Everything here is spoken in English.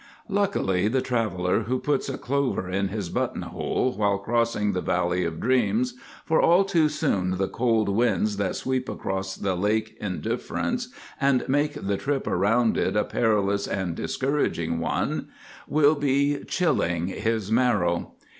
Lucky the traveller who puts a clover in his buttonhole, while crossing the Valley of Dreams, for all too soon the cold winds that sweep across Lake Indifference, and make the trip around it a perilous and discouraging one, will be chilling his marrow.